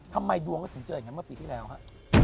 ทำไมดวงก็ถึงเจออย่างนั้นเมื่อปีที่แล้วฮะ